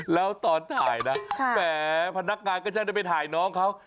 แล้วตอนถ่ายนะแหมพนักงานก็จะได้ไปถ่ายน้องเขา